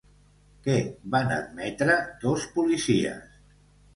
Què van admetre dos policies?